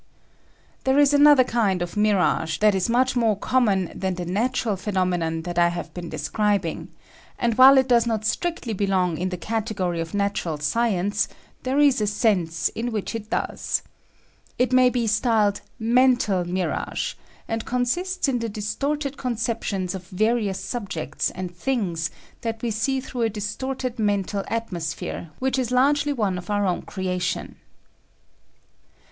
There is another kind of mirage that is much more common than the natural phenom enon that I have been describing, and while it does not strictly belong in the category of natural science, there is a sense in which it does. It may be styled mental mirage, and consists in the distorted conceptions of various subjects and things that we see through a dis torted mental atmosphere, which is largely one of our own creation.